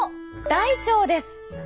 大腸です！